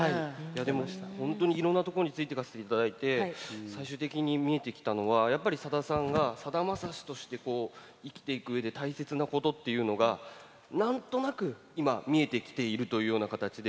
本当にいろんなところについていかせていただいて最終的に見えてきたのはやっぱり、さださんがさだまさしとして生きていくうえで大切なことっていうのがなんとなく今、見えてきているというような形で。